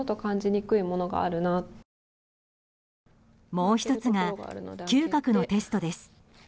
もう１つが嗅覚のテストです。